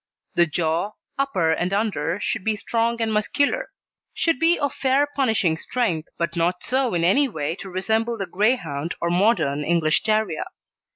The Jaw, upper and under, should be strong and muscular; should be of fair punishing strength, but not so in any way to resemble the Greyhound or modern English Terrier.